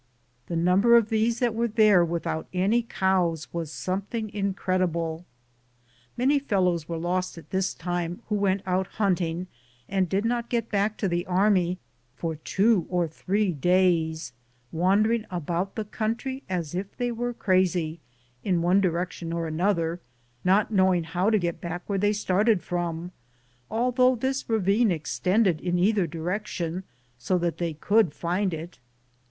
The number of these that were there without any cows was something incredible. Many fel lows were lost at this time who went out hunting and did not get back to the army for two or three days, wandering about the country as if they were crazy, in one direc tion or another, not knowing how to get back where they started from, although this 78 am Google THE JOURNEY/ OF COBONADO ravine extended in either direction so that they could find it.